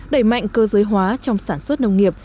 đẩy mạnh cơ giới hóa trong sản xuất nông nghiệp